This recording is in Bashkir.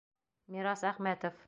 Мирас ӘХМӘТОВ